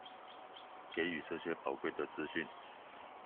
給予這些寶貴的資訊